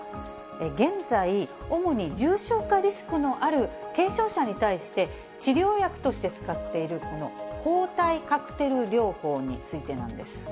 現在、おもに重症化リスクのある軽症者に対して、治療薬として使っている、この抗体カクテル療法についてなんです。